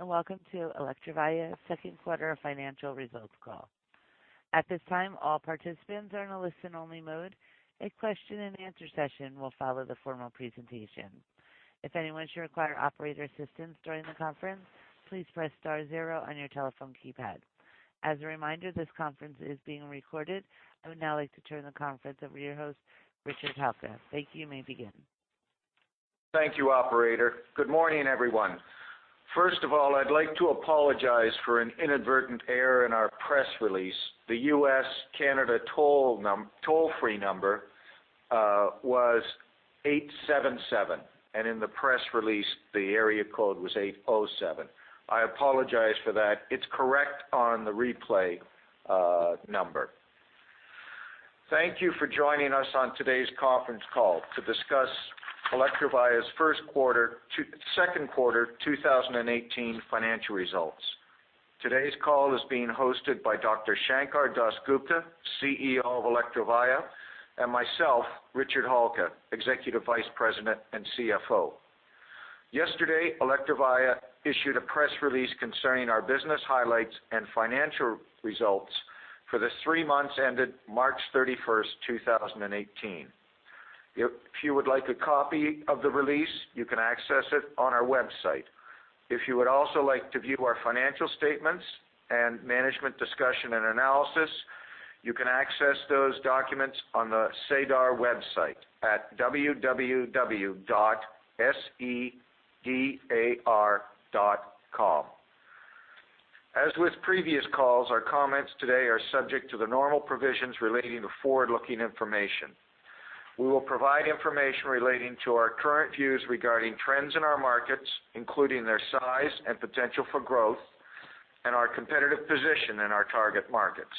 Greetings, welcome to Electrovaya's second quarter financial results call. At this time, all participants are in a listen-only mode. A question and answer session will follow the formal presentation. If anyone should require operator assistance during the conference, please press star zero on your telephone keypad. As a reminder, this conference is being recorded. I would now like to turn the conference over to your host, Richard Halka. Thank you. You may begin. Thank you, operator. Good morning, everyone. First of all, I'd like to apologize for an inadvertent error in our press release. The U.S.-Canada toll-free number was 877, and in the press release, the area code was 807. I apologize for that. It is correct on the replay number. Thank you for joining us on today's conference call to discuss Electrovaya's second quarter 2018 financial results. Today's call is being hosted by Dr. Sankar Das Gupta, CEO of Electrovaya, and myself, Richard Halka, Executive Vice President and CFO. Yesterday, Electrovaya issued a press release concerning our business highlights and financial results for the three months ended March 31st, 2018. If you would like a copy of the release, you can access it on our website. If you would also like to view our financial statements and management discussion and analysis, you can access those documents on the SEDAR website at www.sedar.com. As with previous calls, our comments today are subject to the normal provisions relating to forward-looking information. We will provide information relating to our current views regarding trends in our markets, including their size and potential for growth, and our competitive position in our target markets.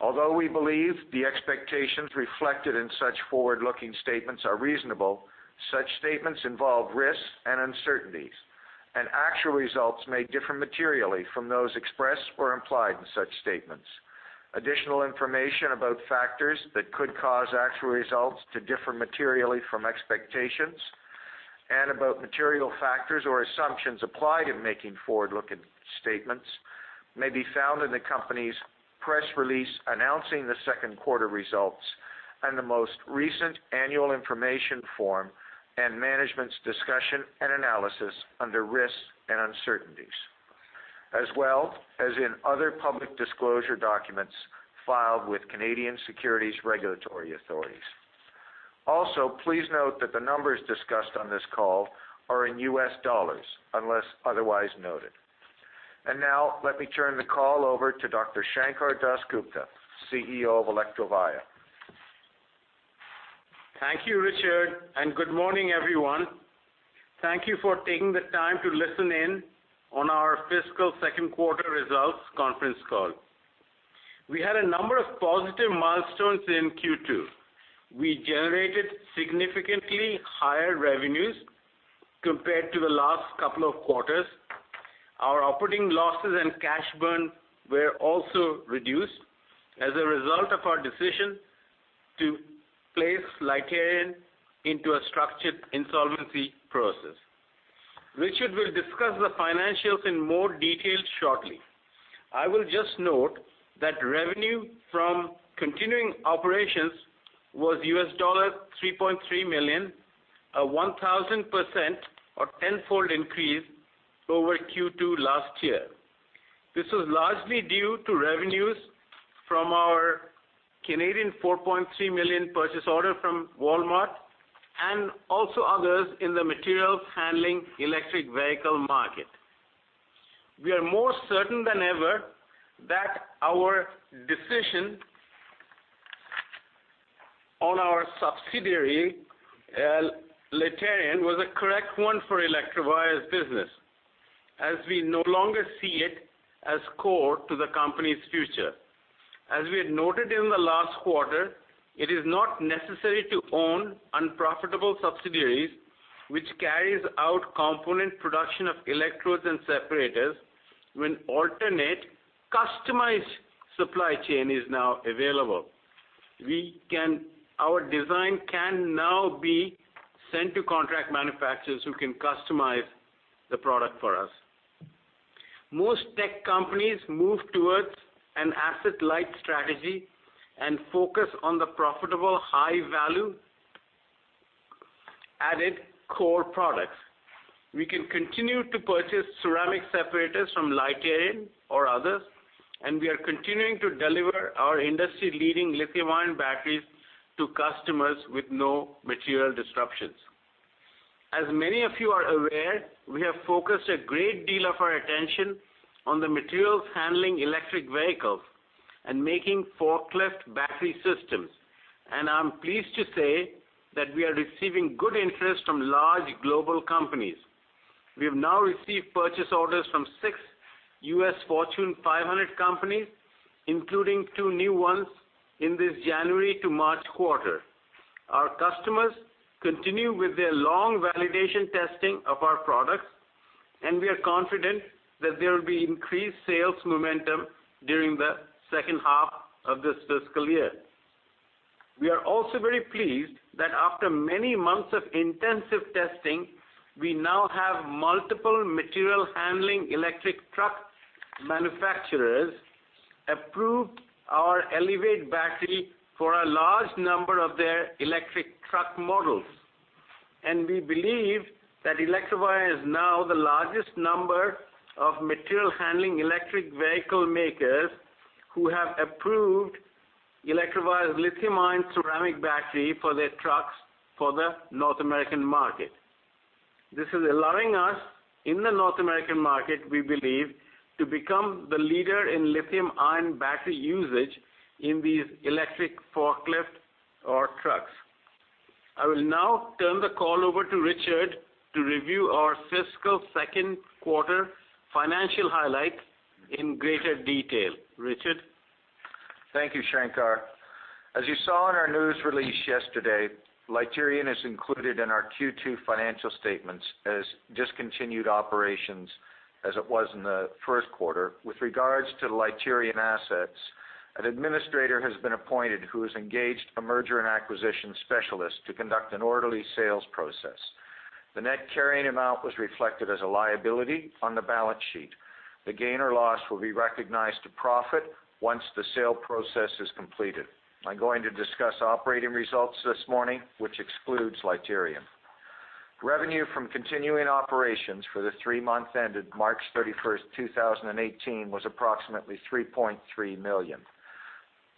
Although we believe the expectations reflected in such forward-looking statements are reasonable, such statements involve risks and uncertainties, and actual results may differ materially from those expressed or implied in such statements. Additional information about factors that could cause actual results to differ materially from expectations and about material factors or assumptions applied in making forward-looking statements may be found in the company's press release announcing the second quarter results and the most recent annual information form and management's discussion and analysis under risks and uncertainties. As well as in other public disclosure documents filed with Canadian securities regulatory authorities. Please note that the numbers discussed on this call are in U.S. dollars unless otherwise noted. Now, let me turn the call over to Dr. Sankar Das Gupta, CEO of Electrovaya. Thank you, Richard, and good morning, everyone. Thank you for taking the time to listen in on our fiscal second quarter results conference call. We had a number of positive milestones in Q2. We generated significantly higher revenues compared to the last couple of quarters. Our operating losses and cash burn were also reduced as a result of our decision to place Litarion into a structured insolvency process. Richard will discuss the financials in more detail shortly. I will just note that revenue from continuing operations was US$3.3 million, a 1,000% or tenfold increase over Q2 last year. This was largely due to revenues from our Canadian $4.3 million purchase order from Walmart and also others in the materials handling electric vehicle market. We are more certain than ever that our decision on our subsidiary, Litarion, was a correct one for Electrovaya's business, as we no longer see it as core to the company's future. As we had noted in the last quarter, it is not necessary to own unprofitable subsidiaries which carries out component production of electrodes and separators when alternate customized supply chain is now available. Our design can now be sent to contract manufacturers who can customize the product for us. Most tech companies move towards an asset-light strategy and focus on the profitable high value-added core products. We can continue to purchase ceramic separators from Litarion or others, we are continuing to deliver our industry-leading lithium-ion batteries to customers with no material disruptions. As many of you are aware, we have focused a great deal of our attention on the materials handling electric vehicles and making forklift battery systems. I am pleased to say that we are receiving good interest from large global companies. We have now received purchase orders from six U.S. Fortune 500 companies, including two new ones in this January to March quarter. Our customers continue with their long validation testing of our products, and we are confident that there will be increased sales momentum during the second half of this fiscal year. We are also very pleased that after many months of intensive testing, we now have multiple material handling electric truck manufacturers approved our ELivate battery for a large number of their electric truck models. We believe that Electrovaya has now the largest number of material handling electric vehicle makers who have approved Electrovaya's lithium-ion ceramic battery for their trucks for the North American market. This is allowing us, in the North American market, we believe, to become the leader in lithium-ion battery usage in these electric forklifts or trucks. I will now turn the call over to Richard to review our fiscal second quarter financial highlights in greater detail. Richard? Thank you, Sankar. As you saw in our news release yesterday, Litarion is included in our Q2 financial statements as discontinued operations as it was in the first quarter. With regards to the Litarion assets, an administrator has been appointed who has engaged a merger and acquisition specialist to conduct an orderly sales process. The net carrying amount was reflected as a liability on the balance sheet. The gain or loss will be recognized to profit once the sale process is completed. I am going to discuss operating results this morning, which excludes Litarion. Revenue from continuing operations for the 3 months ended March 31st, 2018, was approximately $3.3 million.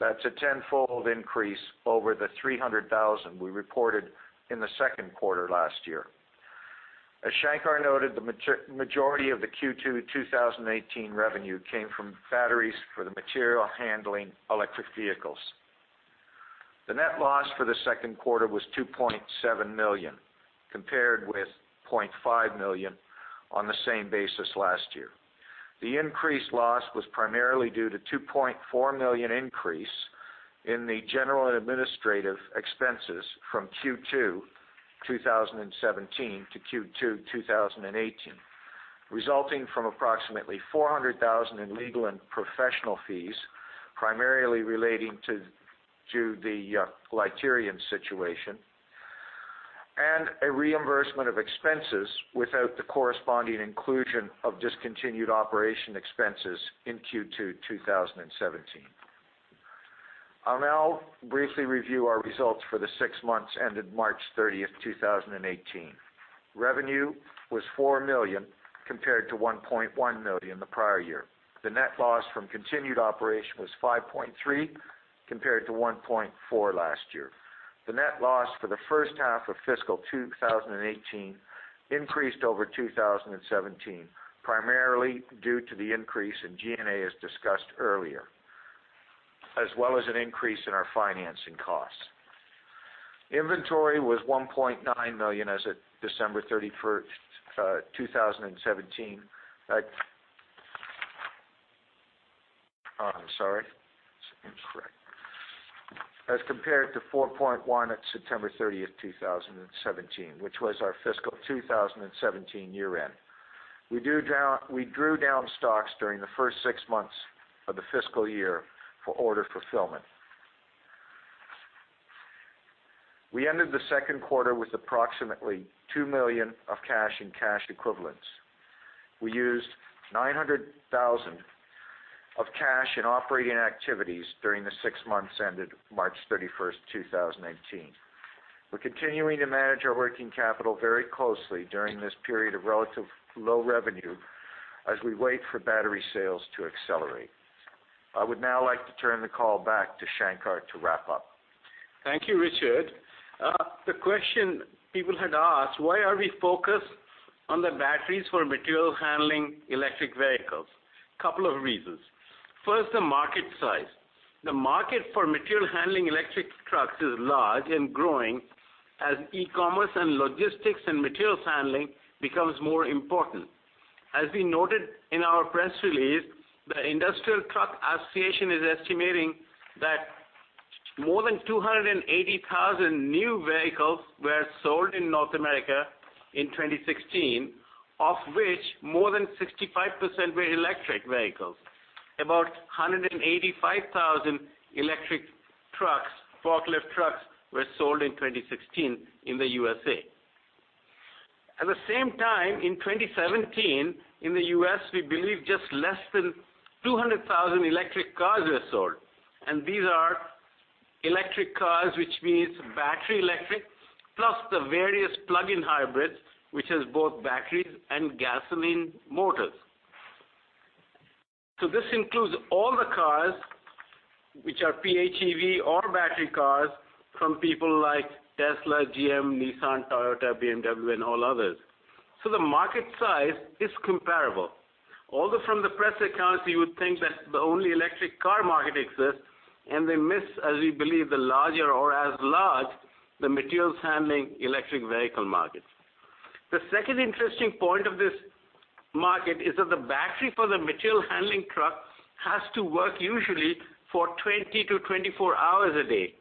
That is a tenfold increase over the $300,000 we reported in the second quarter last year. As Sankar noted, the majority of the Q2 2018 revenue came from batteries for the material handling electric vehicles. The net loss for the second quarter was $2.7 million, compared with $0.5 million on the same basis last year. The increased loss was primarily due to $2.4 million increase in the general and administrative expenses from Q2 2017 to Q2 2018, resulting from approximately $400,000 in legal and professional fees, primarily relating to the Litarion situation, and a reimbursement of expenses without the corresponding inclusion of discontinued operation expenses in Q2 2017. I will now briefly review our results for the 6 months ended March 30th, 2018. Revenue was $4 million compared to $1.1 million the prior year. The net loss from continued operation was $5.3 million compared to $1.4 million last year. The net loss for the first half of fiscal 2018 increased over 2017, primarily due to the increase in G&A, as discussed earlier, as well as an increase in our financing costs. Inventory was $1.9 million as of December 31st, 2017. I am sorry. That is incorrect. As compared to $4.1 million at September 30th, 2017, which was our fiscal 2017 year end. We drew down stocks during the first 6 months of the fiscal year for order fulfillment. We ended the second quarter with approximately $2 million of cash and cash equivalents. We used $900,000 of cash in operating activities during the 6 months ended March 31st, 2018. We are continuing to manage our working capital very closely during this period of relative low revenue as we wait for battery sales to accelerate. I would now like to turn the call back to Shankar to wrap up. Thank you, Richard. The question people had asked, why are we focused on the batteries for material handling electric vehicles? Couple of reasons. First, the market size. The market for material handling electric trucks is large and growing as e-commerce and logistics and materials handling becomes more important. As we noted in our press release, the Industrial Truck Association is estimating that more than 280,000 new vehicles were sold in North America in 2016, of which more than 65% were electric vehicles. About 185,000 electric trucks, forklift trucks, were sold in 2016 in the USA. At the same time, in 2017, in the U.S., we believe just less than 200,000 electric cars were sold. These are electric cars, which means battery electric, plus the various plug-in hybrids, which has both batteries and gasoline motors. This includes all the cars which are PHEV or battery cars from people like Tesla, GM, Nissan, Toyota, BMW, and all others. The market size is comparable. Although from the press accounts, you would think that the only electric car market exists and they miss, as we believe, the larger or as large, the materials handling electric vehicle market. The second interesting point of this market is that the battery for the material handling truck has to work usually for 20 to 24 hours a day.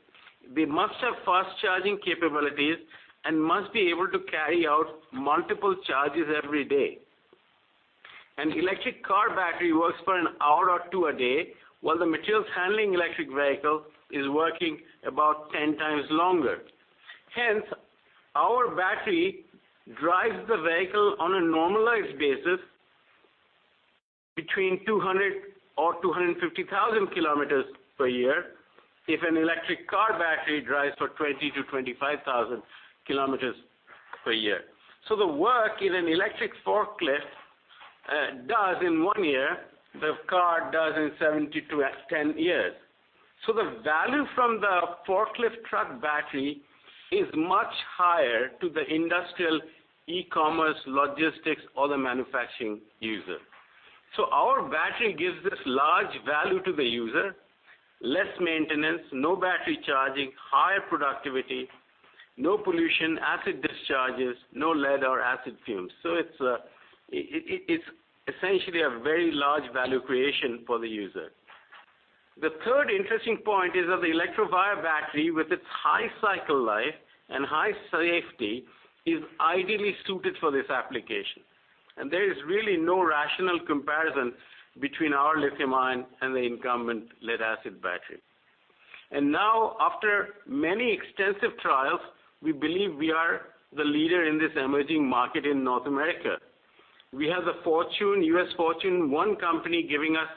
They must have fast charging capabilities and must be able to carry out multiple charges every day. An electric car battery works for one hour or two a day, while the materials handling electric vehicle is working about 10 times longer. Our battery drives the vehicle on a normalized basis between 200,000 or 250,000 kilometers per year, if an electric car battery drives for 20,000 to 25,000 kilometers per year. The work in an electric forklift does in one year, the car does in 7 to 10 years. The value from the forklift truck battery is much higher to the industrial e-commerce, logistics, or the manufacturing user. Our battery gives this large value to the user, less maintenance, no battery charging, higher productivity, no pollution, acid discharges, no lead or acid fumes. It's essentially a very large value creation for the user. The third interesting point is that the Electrovaya battery, with its high cycle life and high safety, is ideally suited for this application. There is really no rational comparison between our lithium-ion and the incumbent lead-acid battery. Now, after many extensive trials, we believe we are the leader in this emerging market in North America. We have a U.S. Fortune One company giving us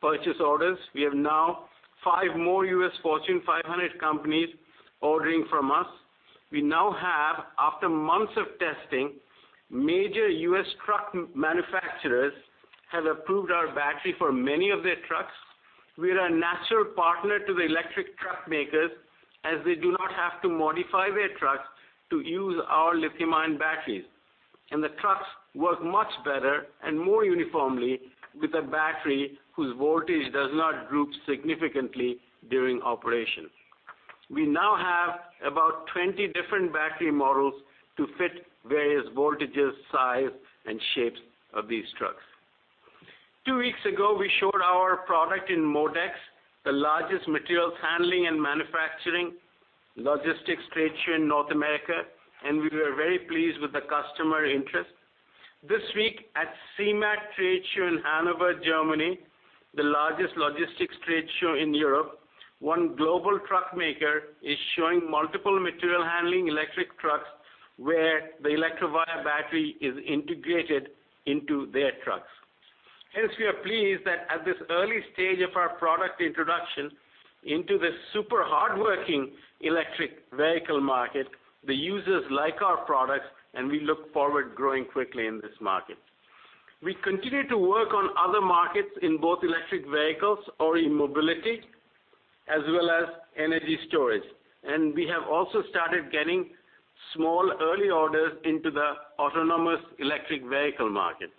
purchase orders. We have now five more U.S. Fortune 500 companies ordering from us. We now have, after months of testing, major U.S. truck manufacturers have approved our battery for many of their trucks. We are a natural partner to the electric truck makers, as they do not have to modify their trucks to use our lithium-ion batteries. The trucks work much better and more uniformly with a battery whose voltage does not droop significantly during operation. We now have about 20 different battery models to fit various voltages, size, and shapes of these trucks. Two weeks ago, we showed our product in MODEX, the largest materials handling and manufacturing logistics trade show in North America, and we were very pleased with the customer interest. This week at CeMAT trade show in Hanover, Germany, the largest logistics trade show in Europe, one global truck maker is showing multiple material handling electric trucks where the Electrovaya battery is integrated into their trucks. We are pleased that at this early stage of our product introduction into this super hardworking electric vehicle market, the users like our products, and we look forward growing quickly in this market. We continue to work on other markets in both electric vehicles or in mobility, as well as energy storage. We have also started getting small early orders into the autonomous electric vehicle market.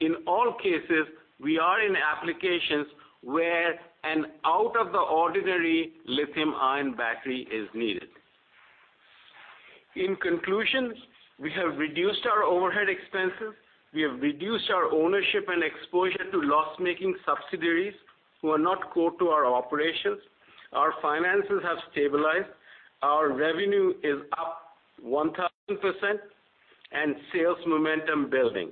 In all cases, we are in applications where an out-of-the-ordinary lithium-ion battery is needed. In conclusion, we have reduced our overhead expenses. We have reduced our ownership and exposure to loss-making subsidiaries who are not core to our operations. Our finances have stabilized. Our revenue is up 1,000%, and sales momentum building.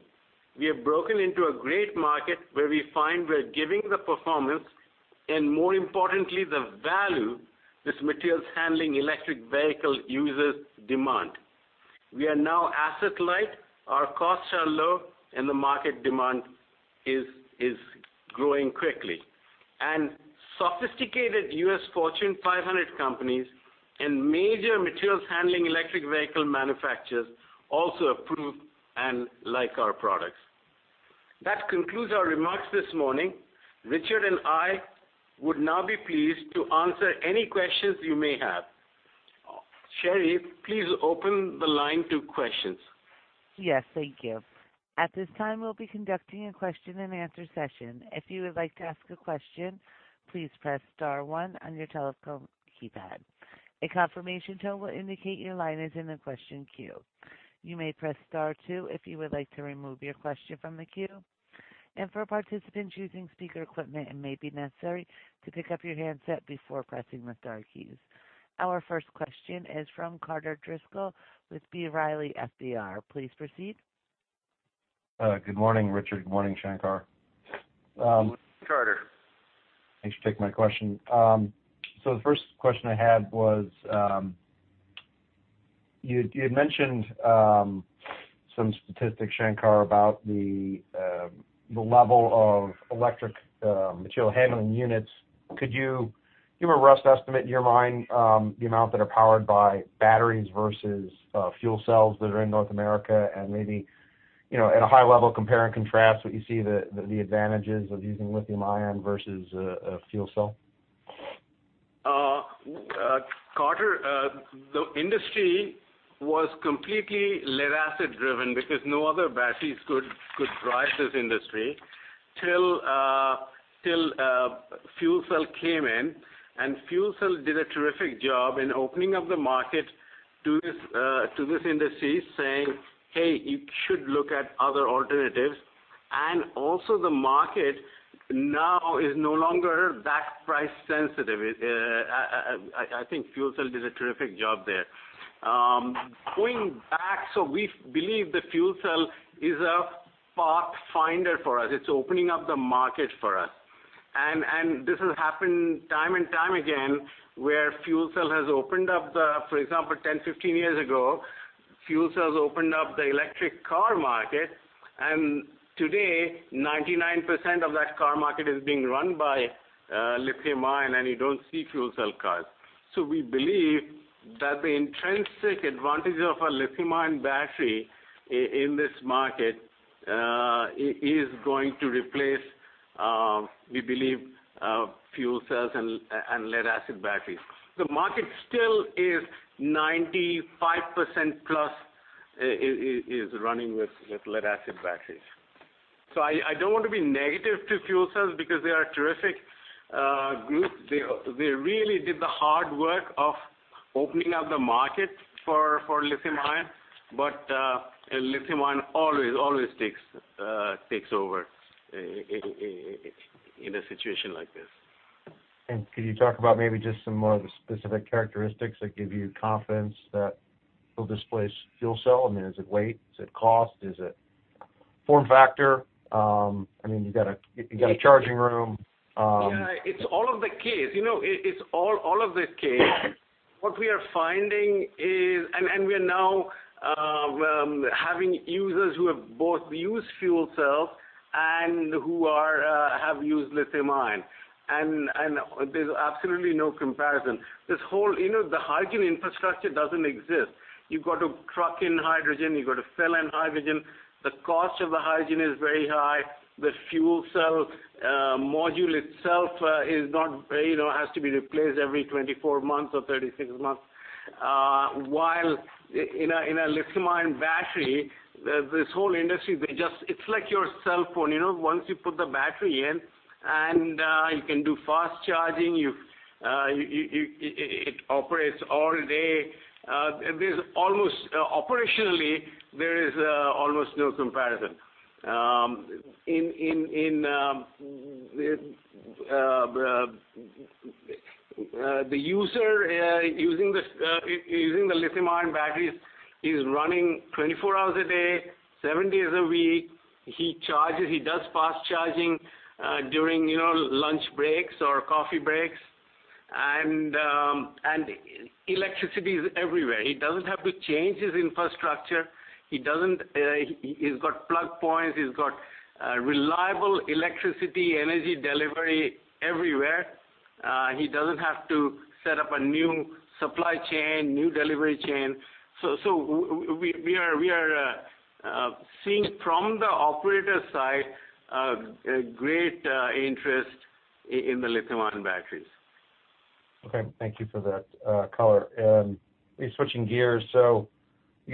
We have broken into a great market where we find we're giving the performance, and more importantly, the value this materials handling electric vehicle users demand. We are now asset light, our costs are low, and the market demand is growing quickly. Sophisticated U.S. Fortune 500 companies and major materials handling electric vehicle manufacturers also approve and like our products. That concludes our remarks this morning. Richard and I would now be pleased to answer any questions you may have. Sherry, please open the line to questions. Yes. Thank you. At this time, we'll be conducting a question and answer session. If you would like to ask a question, please press star 1 on your telephone keypad. A confirmation tone will indicate your line is in the question queue. You may press star 2 if you would like to remove your question from the queue. For participants using speaker equipment, it may be necessary to pick up your handset before pressing the star keys. Our first question is from Carter Driscoll with B. Riley FBR. Please proceed. Good morning, Richard. Good morning, Sankar. Good morning, Carter. Thanks for taking my question. The first question I had was, you had mentioned some statistics, Sankar, about the level of electric material handling units. Could you give a rough estimate in your mind the amount that are powered by batteries versus fuel cells that are in North America, and maybe at a high level compare and contrast what you see the advantages of using lithium-ion versus a fuel cell? Carter, the industry was completely lead-acid driven because no other batteries could drive this industry till fuel cell came in. Fuel cell did a terrific job in opening up the market to this industry saying, "Hey, you should look at other alternatives." Also the market now is no longer that price sensitive. I think fuel cell did a terrific job there. Going back, we believe the fuel cell is a pathfinder for us. It's opening up the market for us. This has happened time and time again, where fuel cell has opened up the, for example, 10, 15 years ago, fuel cells opened up the electric car market, and today 99% of that car market is being run by lithium-ion, and you don't see fuel cell cars. We believe that the intrinsic advantage of a lithium-ion battery in this market, is going to replace, we believe, fuel cells and lead-acid batteries. The market still is 95% plus is running with lead-acid batteries. I don't want to be negative to fuel cells because they are a terrific group. They really did the hard work of opening up the market for lithium-ion, but lithium-ion always takes over in a situation like this. Could you talk about maybe just some more of the specific characteristics that give you confidence that it'll displace fuel cell? I mean, is it weight? Is it cost? Is it form factor? I mean, you got a charging room. Yeah, it's all of the case. It's all of the case. What we are finding is we are now having users who have both used fuel cells and who have used lithium-ion. There's absolutely no comparison. The hydrogen infrastructure doesn't exist. You've got to truck in hydrogen. You've got to fill in hydrogen. The cost of the hydrogen is very high. The fuel cell module itself has to be replaced every 24 months or 36 months. While in a lithium-ion battery, this whole industry, it's like your cell phone. Once you put the battery in and you can do fast charging, it operates all day. Operationally, there is almost no comparison. The user using the lithium-ion batteries is running 24 hours a day, seven days a week. He does fast charging during lunch breaks or coffee breaks. Electricity is everywhere. He doesn't have to change his infrastructure. He's got plug points. He's got reliable electricity, energy delivery everywhere. He doesn't have to set up a new supply chain, new delivery chain. We are seeing from the operator side, a great interest in the lithium-ion batteries. Okay. Thank you for that color. Switching gears, you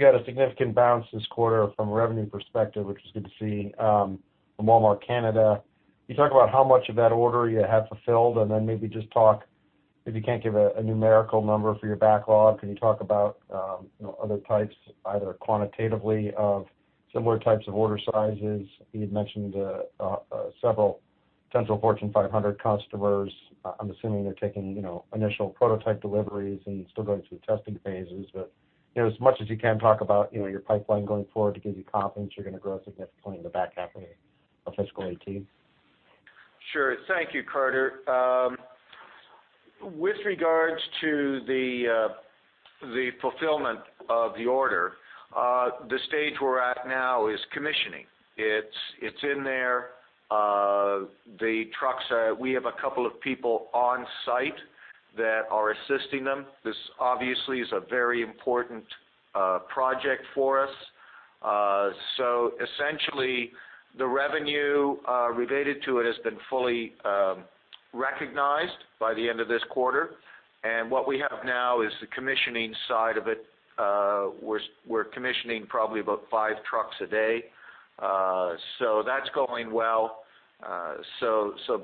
got a significant bounce this quarter from a revenue perspective, which is good to see from Walmart Canada. Can you talk about how much of that order you have fulfilled? Then maybe just talk, if you can't give a numerical number for your backlog, can you talk about other types, either quantitatively of similar types of order sizes? You had mentioned several potential Fortune 500 customers. I'm assuming they're taking initial prototype deliveries and still going through testing phases. But as much as you can talk about your pipeline going forward to give you confidence you're going to grow significantly in the back half of fiscal 2018. Sure. Thank you, Carter. With regards to the fulfillment of the order, the stage we're at now is commissioning. It's in there. We have a couple of people on site that are assisting them. This obviously is a very important project for us. Essentially, the revenue related to it has been fully recognized by the end of this quarter. What we have now is the commissioning side of it. We're commissioning probably about five trucks a day. That's going well.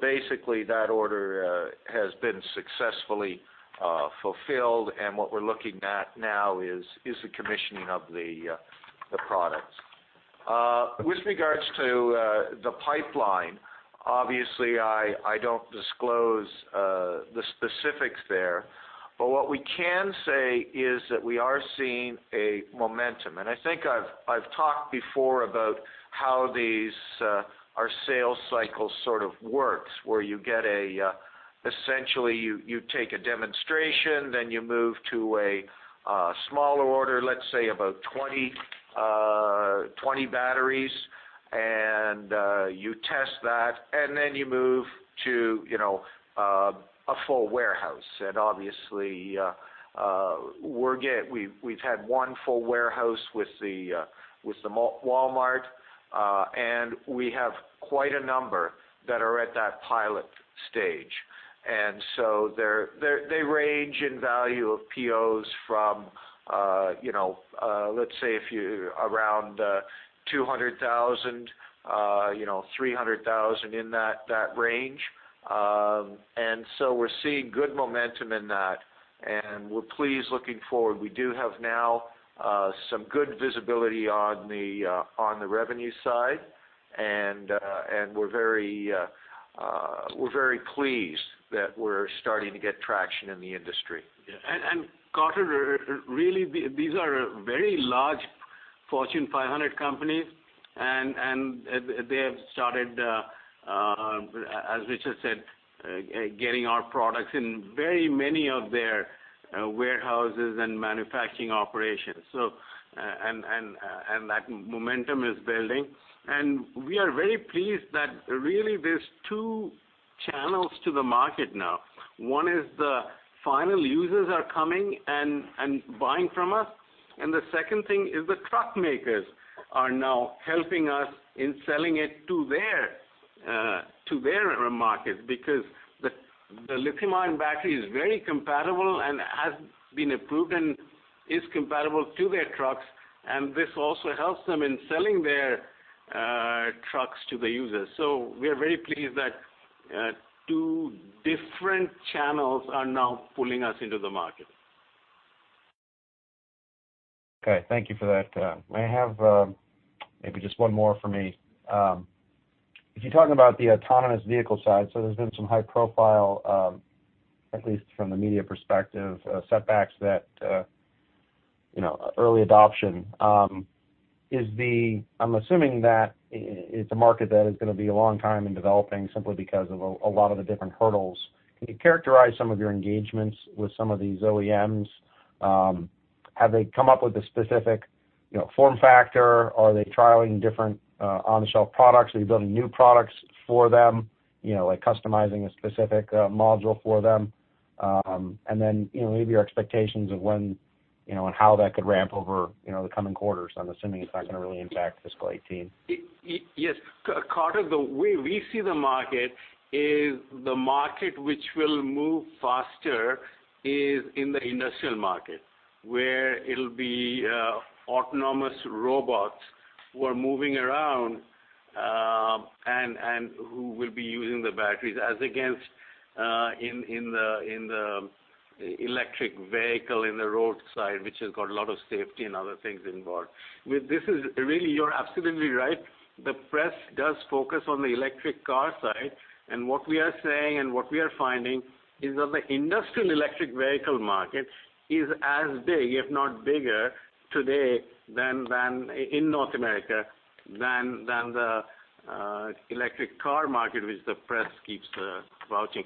Basically, that order has been successfully fulfilled. What we're looking at now is the commissioning of the products. With regards to the pipeline, obviously, I don't disclose the specifics there. What we can say is that we are seeing a momentum. I think I've talked before about how our sales cycle sort of works, where essentially you take a demonstration, then you move to a smaller order, let's say about 20 batteries, and you test that, and then you move to a full warehouse. Obviously, we've had one full warehouse with the Walmart, and we have quite a number that are at that pilot stage. They range in value of POs from let's say around $200,000, $300,000, in that range. We're seeing good momentum in that, and we're pleased looking forward. We do have now some good visibility on the revenue side. We're very pleased that we're starting to get traction in the industry. Carter, really, these are very large Fortune 500 companies, and they have started, as Richard said, getting our products in very many of their warehouses and manufacturing operations. That momentum is building. We are very pleased that really there's two channels to the market now. One is the final users are coming and buying from us, and the second thing is the truck makers are now helping us in selling it to their markets because the lithium-ion battery is very compatible and has been approved and is compatible to their trucks, and this also helps them in selling their trucks to the users. We are very pleased that two different channels are now pulling us into the market. Okay. Thank you for that. I have maybe just one more for me. If you're talking about the autonomous vehicle side, there's been some high profile, at least from the media perspective, setbacks that early adoption. I'm assuming that it's a market that is going to be a long time in developing simply because of a lot of the different hurdles. Can you characterize some of your engagements with some of these OEMs? Have they come up with a specific form factor? Are they trialing different on-the-shelf products? Are you building new products for them, like customizing a specific module for them? Maybe your expectations of when and how that could ramp over the coming quarters. I'm assuming it's not going to really impact fiscal 2018. Carter, the way we see the market is the market which will move faster is in the industrial market, where it'll be autonomous robots who are moving around, and who will be using the batteries as against in the electric vehicle, in the road side, which has got a lot of safety and other things involved. Really, you're absolutely right. The press does focus on the electric car side, and what we are saying and what we are finding is that the industrial electric vehicle market is as big, if not bigger today in North America than the electric car market, which the press keeps vouching.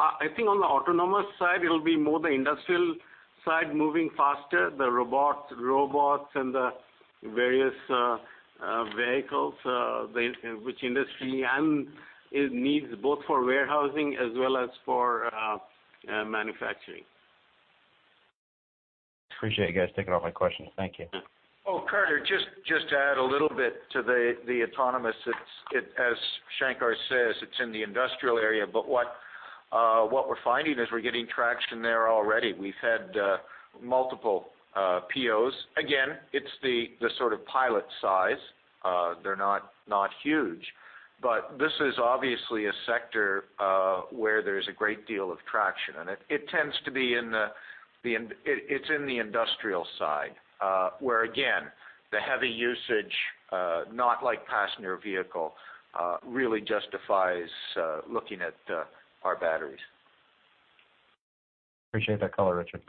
I think on the autonomous side, it'll be more the industrial side moving faster, the robots and the various vehicles, which industry and it needs both for warehousing as well as for manufacturing. Appreciate you guys taking all my questions. Thank you. Oh, Carter, just to add a little bit to the autonomous. As Shankar says, it's in the industrial area. What we're finding is we're getting traction there already. We've had multiple POs. Again, it's the sort of pilot size. They're not huge. This is obviously a sector where there's a great deal of traction, and it's in the industrial side, where, again, the heavy usage, not like passenger vehicle, really justifies looking at our batteries. Appreciate that color, Richard.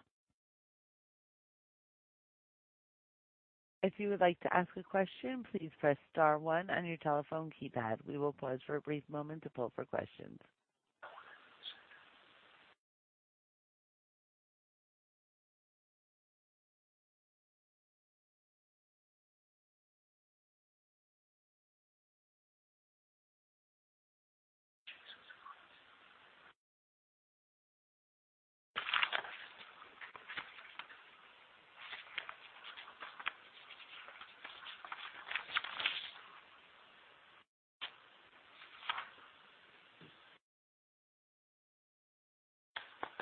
If you would like to ask a question, please press star one on your telephone keypad. We will pause for a brief moment to pull for questions.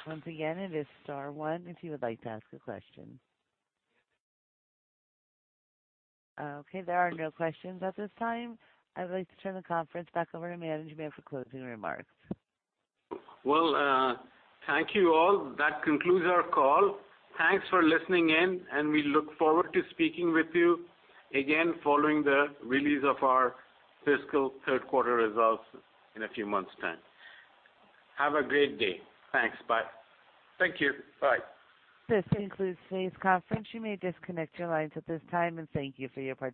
Once again, it is star one if you would like to ask a question. Okay, there are no questions at this time. I'd like to turn the conference back over to management for closing remarks. Well, thank you all. That concludes our call. Thanks for listening in, and we look forward to speaking with you again following the release of our fiscal third quarter results in a few months' time. Have a great day. Thanks. Bye. Thank you. Bye. This concludes today's conference. You may disconnect your lines at this time, and thank you for your participation.